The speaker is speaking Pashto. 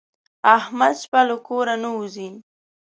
احمد شپه له کوره نه وځي.